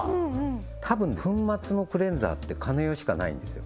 多分粉末のクレンザーってカネヨしかないんですよ